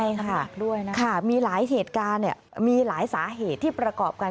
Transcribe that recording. ใช่ค่ะมีหลายเหตุการณ์มีหลายสาเหตุที่ประกอบกัน